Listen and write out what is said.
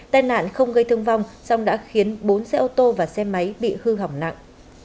tai nạn không gây thương vong song đã khiến bốn xe ô tô và xe máy bị hư hỏng nặng